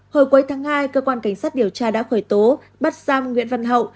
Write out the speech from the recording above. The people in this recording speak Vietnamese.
hồi cuối tháng hai cơ quan cảnh sát điều tra đã khởi tố bắt giam nguyễn văn hậu